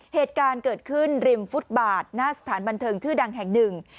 เหตุการณ์เกิดขึ้นริมฟุตบาทหน้าสถานบันเทิงชื่อดังแห่งหนึ่ง